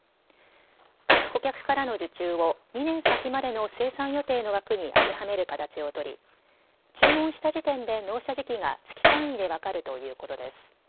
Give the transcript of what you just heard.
各顧客からの受注を２年先までの生産予定の枠に当てはめる形を取り、注文した時点で納車時期が月単位で分かるということです。